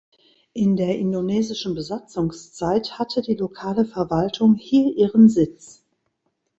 In der indonesischen Besatzungszeit hatte die lokale Verwaltung hier ihren Sitz.